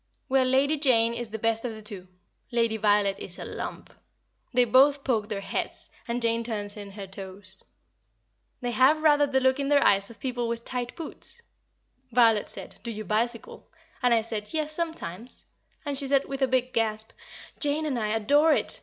Well, Lady Jane is the best of the two; Lady Violet is a lump. They both poke their heads, and Jane turns in her toes. They have rather the look in their eyes of people with tight boots. Violet said, "Do you bicycle?" and I said, "Yes, sometimes;" and she said, with a big gasp: "Jane and I adore it.